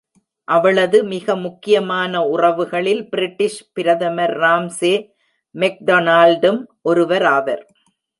அவளது மிக முக்கியமான உறவுகளில் பிரிட்டிஷ் பிரதமர் ராம்சே மெக்டொனால்டும் ஒருவராவார்.